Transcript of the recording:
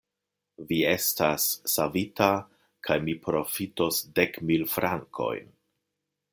Vi estas savita kaj mi profitos dek mil frankojn.